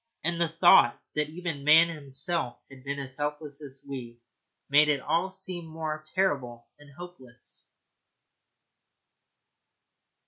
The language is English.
And the thought that even man himself had been as helpless as we made it all seem more terrible and hopeless.